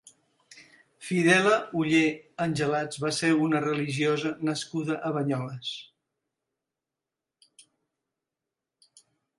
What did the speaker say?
Fidela Oller Angelats va ser una religiosa nascuda a Banyoles.